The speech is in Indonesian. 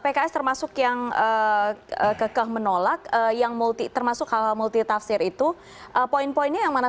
pks termasuk yang kemenolak yang termasuk multi tafsir itu poin poinnya yang mana